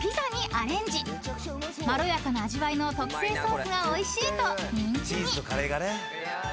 ［まろやかな味わいの特製ソースがおいしいと人気に］